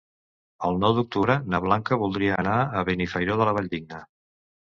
El nou d'octubre na Blanca voldria anar a Benifairó de la Valldigna.